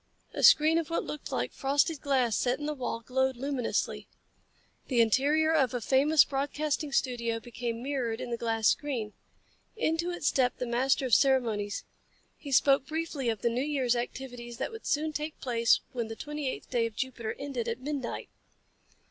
A screen of what looked like frosted glass set in the wall glowed luminously. The interior of a famous broadcasting studio became mirrored in the glass screen. Into it stepped the master of ceremonies. He spoke briefly of the New Year's activities that would soon take place when the twenty eighth day of Jupiter ended at midnight.